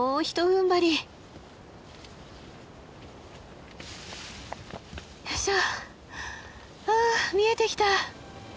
あ見えてきた。